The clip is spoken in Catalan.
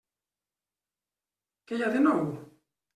Què hi ha de nou?